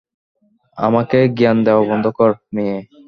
আমাকে জ্ঞান দেওয়া বন্ধ কর, মেয়ে।